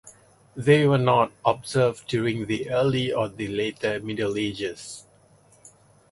They were not observed during the early or the later Middle Ages.